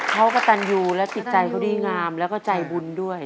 เขากระตันยูและจิตใจเขาดีงามแล้วก็ใจบุญด้วย